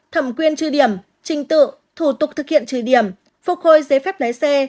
thẩm quyền trừ điểm trình tự thủ tục thực hiện trừ điểm phục hồi giấy phép lái xe